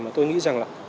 mà tôi nghĩ rằng là